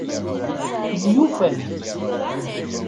Myufant.